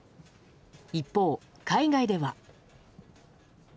一方、海外では。